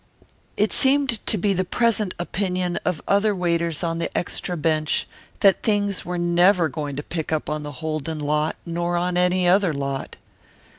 It seemed to be the present opinion of other waiters on the extra bench that things were never going to pick up on the Holden lot nor on any other lot.